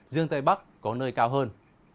riêng tây bắc có nơi cao hơn